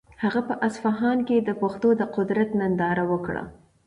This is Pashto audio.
هغه په اصفهان کې د پښتنو د قدرت ننداره وکړه.